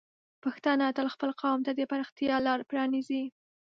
پښتانه تل خپل قوم ته د پراختیا لار پرانیزي.